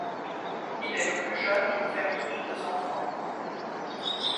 Il est le plus jeune d'une famille de deux enfants.